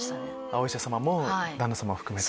お医者さまも旦那さま含めて。